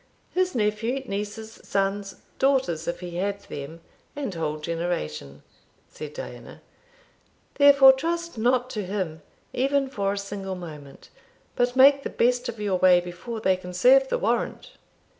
"His nephew, nieces, sons daughters, if he had them, and whole generation," said Diana; "therefore trust not to him, even for a single moment, but make the best of your way before they can serve the warrant."